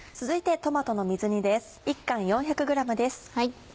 続いてトマトの水煮です。